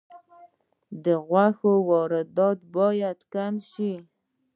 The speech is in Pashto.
د غوښې واردات باید کم شي